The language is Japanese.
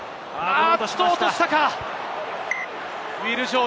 落としたか？